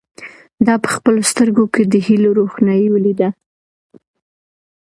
ده په خپلو سترګو کې د هیلو روښنايي ولیده.